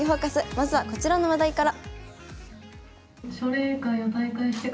まずはこちらの話題から。